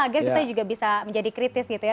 agar kita juga bisa menjadi kritis gitu ya